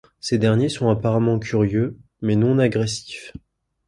Ces derniers sont apparemment curieux, mais non agressifs.